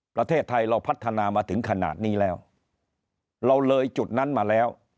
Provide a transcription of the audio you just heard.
ประเทศไทยเราพัฒนามาถึงขนาดนี้แล้วเราเลยจุดนั้นมาแล้ว